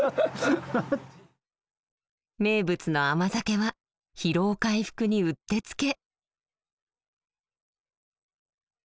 名物の甘酒は疲労回復にうってつけ。